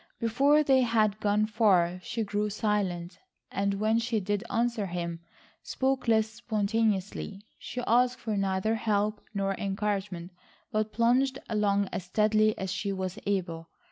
Before they had gone far she grew silent, and when she did answer him spoke less spontaneously. She asked for neither help nor encouragement, but plunged along as steadily as she was able.